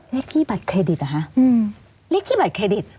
เลขที่บัตรเครดิตเหรอคะเลขที่บัตรเครดิต